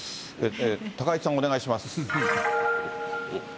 高井さん、お願いします。